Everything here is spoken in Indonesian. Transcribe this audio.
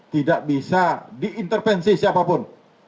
tidak bisa diintervensi siapapun